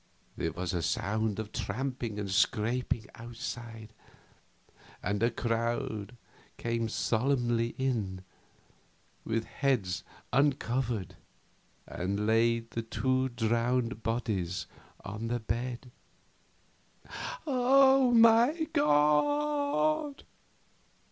There was a sound of tramping and scraping outside, and a crowd came solemnly in, with heads uncovered, and laid the two drowned bodies on the bed. "Oh, my God!"